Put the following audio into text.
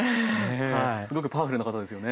すごくパワフルな方ですよね。